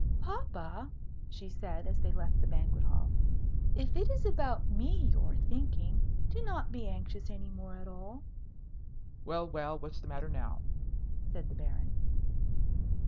"Papa," she said, as they left the banquet hall, "if it is about me you're thinking, do not be anxious any more at all." "Well, well; what's the matter now?" said the Baron.